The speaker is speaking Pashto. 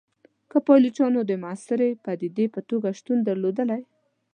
که پایلوچانو د موثري پدیدې په توګه شتون درلودلای.